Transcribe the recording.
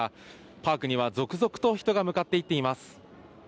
パークには続々と人が向かっていっています。